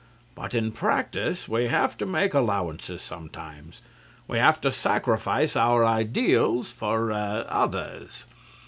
But in practice we have to make allowances sometimes. We have to sacrifice our ideals for ah others.